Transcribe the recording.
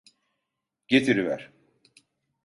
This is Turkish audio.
Getiriver!